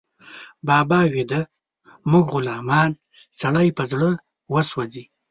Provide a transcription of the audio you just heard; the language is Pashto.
بابا ويده، موږ غلامان، سړی په زړه وسوځي